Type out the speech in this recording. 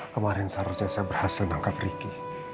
kemarin saya berhasil menangkap riki